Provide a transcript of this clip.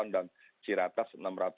dan ciratas enam ratus tujuh puluh enam